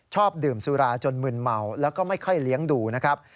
ชอบดื่มสุราจนมึนเมาแล้วก็ไม่ค่อยเลี้ยงดูนะครับ